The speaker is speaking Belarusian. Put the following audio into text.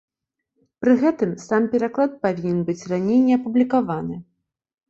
Пры гэтым сам пераклад павінен быць раней не апублікаваны.